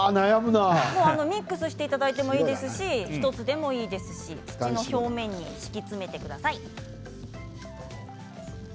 ミックスしてもいいです１つでもいいですし土の表面に敷いてください。